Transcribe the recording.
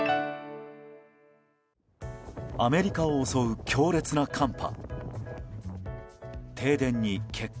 アメリカを襲う強烈な寒波。